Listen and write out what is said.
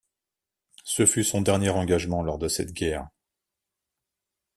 Ce fut son dernier engagement lors de cette guerre.